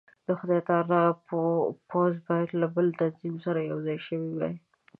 د خدای تعالی پوځ باید له بل تنظیم سره یو ځای شوی وای.